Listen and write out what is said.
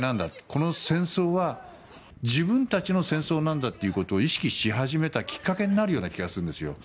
この戦争は自分たちの戦争なんだということを意識し始めたきっかけになるような気がするんですよ。